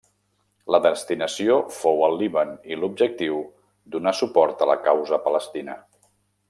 La destinació fou el Líban i l'objectiu donar suport a la causa palestina.